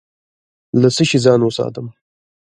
له څه شي ځان وساتم؟